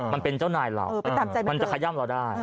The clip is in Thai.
มันเป็นเจ้านายเรามันจะขย่ำเราได้